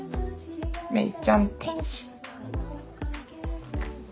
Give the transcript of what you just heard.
芽衣ちゃん天使。